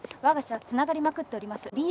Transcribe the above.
わが社はつながりまくっております。